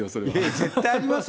絶対ありますよ。